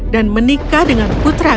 dan menikah dengan putra galot